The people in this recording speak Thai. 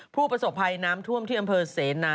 ผู้ประสบภัยน้ำท่วมที่อำเภอเสนา